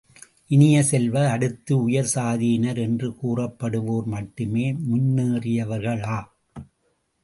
இனிய செல்வ, அடுத்து உயர் சாதியினர் என்று கூறப்படுவோர் மட்டுமே முன்னேறியவர்களா?